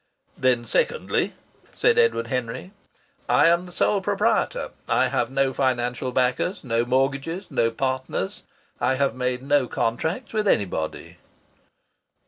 "Then secondly," said Edward Henry, "I am the sole proprietor. I have no financial backers, no mortgages, no partners. I have made no contracts with anybody."